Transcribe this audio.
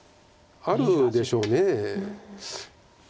あるでしょう。